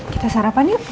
kita sarapan yuk